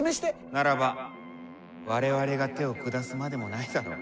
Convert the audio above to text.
ならば我々が手を下すまでもないだろう。